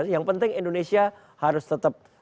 yang penting indonesia harus tetap